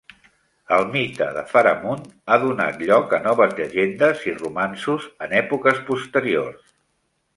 El mite de Faramund ha donat lloc a noves llegendes i romanços en èpoques posteriors.